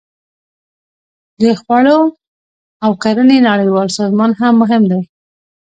د خوړو او کرنې نړیوال سازمان هم مهم دی